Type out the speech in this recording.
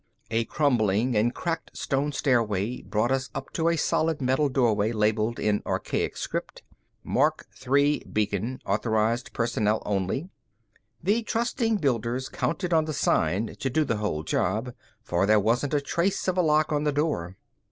A crumbling and cracked stone stairway brought us up to a solid metal doorway labeled in archaic script MARK III BEACON AUTHORIZED PERSONNEL ONLY. The trusting builders counted on the sign to do the whole job, for there wasn't a trace of a lock on the door.